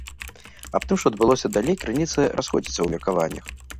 Аб тым, што адбылося далей крыніцы расходзяцца ў меркаваннях.